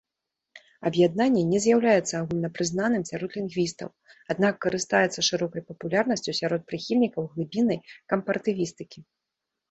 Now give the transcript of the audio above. Аб'яднанне не з'яўляецца агульнапрызнаным сярод лінгвістаў, аднак карыстаецца шырокай папулярнасцю сярод прыхільнікаў глыбіннай кампаратывістыкі.